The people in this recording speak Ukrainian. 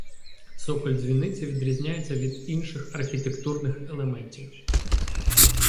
Цоколь дзвіниці відрізняється від інших архітектурних елементів.